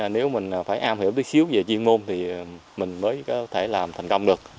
nếu mình phải am hiểu biết xíu về chuyên môn thì mình mới có thể làm thành công được